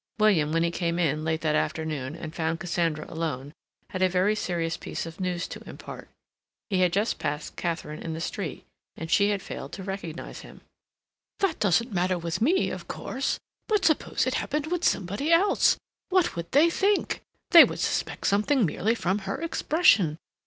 William, when he came in late that afternoon and found Cassandra alone, had a very serious piece of news to impart. He had just passed Katharine in the street and she had failed to recognize him. "That doesn't matter with me, of course, but suppose it happened with somebody else? What would they think? They would suspect something merely from her expression.